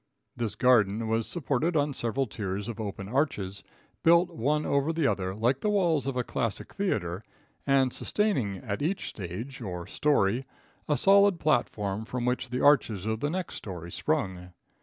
This garden was supported on several tiers of open arches, built one over the other, like the walls of a classic theatre, and sustaining at each stage, or story, a solid platform from which the arches of the next story sprung.